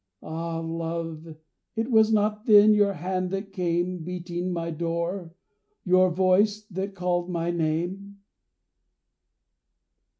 Ah Love! it was not then your hand that came Beating my door? your voice that called my name?